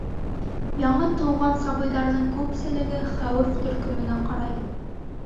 Яңы тыуған сабыйҙарҙың күпселеге «хәүеф төркөмө»нә ҡарай.